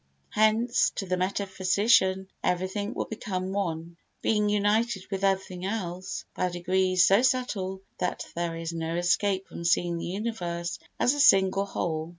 Hence to the metaphysician everything will become one, being united with everything else by degrees so subtle that there is no escape from seeing the universe as a single whole.